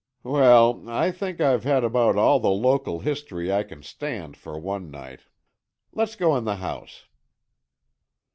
"Well, I think I've had about all the local history I can stand for one night. Let's go in the house."